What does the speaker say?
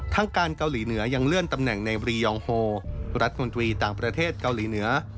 ทางการเกาหลีเหนือยังเลื่อนตำแหน่งในบรียองโฮรัฐมนตรีต่างประเทศเกาหลีเหนือ